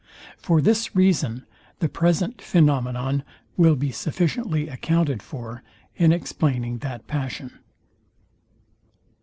For this reason the present phænomenon will be sufficiently accounted for, in explaining that passion.